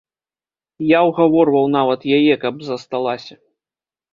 Я ўгаварваў нават яе, каб засталася.